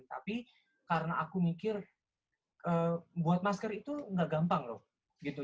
tapi karena aku mikir buat masker itu nggak gampang loh gitu